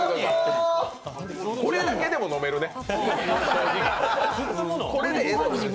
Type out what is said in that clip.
これだけでも飲めるね。